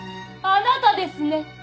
あなたですね。